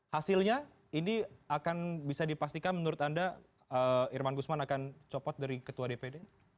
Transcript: hasilnya ini akan bisa dipastikan menurut anda irman gusman akan copot dari ketua dpd